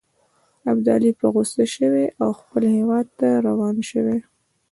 ابدالي په غوسه شوی او خپل هیواد ته روان شوی.